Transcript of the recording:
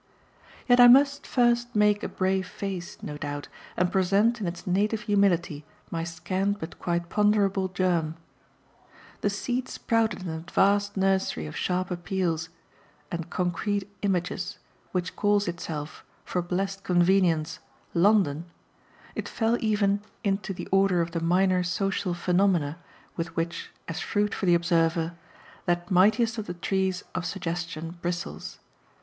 Yet I must first make a brave face, no doubt, and present in its native humility my scant but quite ponderable germ. The seed sprouted in that vast nursery of sharp appeals and concrete images which calls itself, for blest convenience, London; it fell even into the order of the minor "social phenomena" with which, as fruit for the observer, that mightiest of the trees of suggestion bristles.